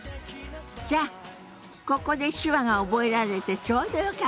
じゃあここで手話が覚えられてちょうどよかったわね。